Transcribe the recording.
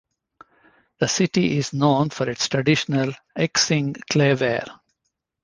The city is known for its traditional Yixing clay ware.